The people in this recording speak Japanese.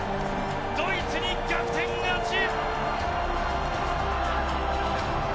ドイツに逆転勝ち！